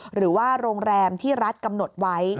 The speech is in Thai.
หรือว่าโรงแรมที่รัฐกำหนดไว้